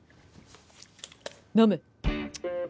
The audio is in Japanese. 飲む？